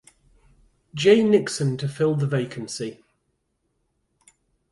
Jay Nixon to fill the vacancy.